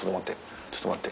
ちょっと待って。